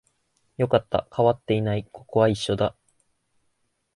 よかった、変わっていない、ここは一緒だ